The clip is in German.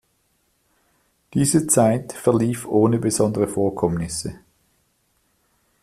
Diese Zeit verlief ohne besondere Vorkommnisse.